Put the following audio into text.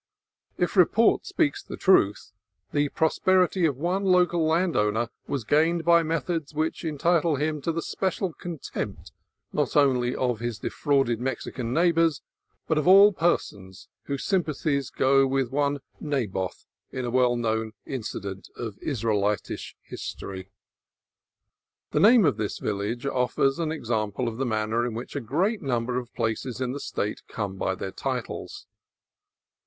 If report speaks the truth, the prosperity of one local landowner was gained by methods which entitle him to the special contempt, not only of his defrauded Mexican neighbors, but of all persons whose sym pathies go with one Naboth in a well known inci dent of Israelitish history. The name of this village offers an example of the manner in which a great number of places in the State came by their titles.